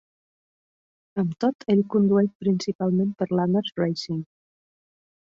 Amb tot, ell condueix principalment per Lamers Racing.